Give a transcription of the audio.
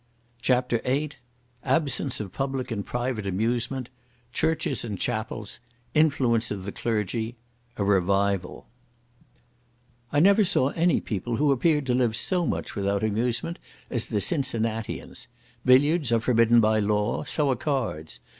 CHAPTER VIII Absence of public and private Amusement—Churches and Chapels—Influence of the Clergy—A Revival I never saw any people who appeared to live so much without amusement as the Cincinnatians. Billiards are forbidden by law, so are cards.